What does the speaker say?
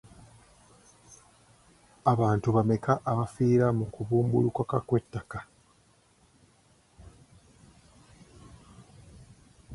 Abantu bameka abafiira mu kubumbulukuka kw'ettaka?